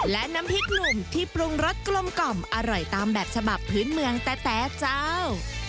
และน้ำพริกหนุ่มที่ปรุงรสกลมกล่อมอร่อยตามแบบฉบับพื้นเมืองแต๊ะเจ้า